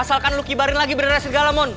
asalkan lo kibarin lagi beneran segala mon